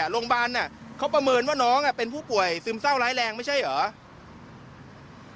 โรงพยาบาลเขาประเมินว่าน้องเป็นผู้ป่วยซึมเศร้าร้ายแรงไม่ใช่เหรอ